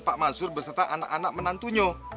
pak mansur beserta anak anak menantunya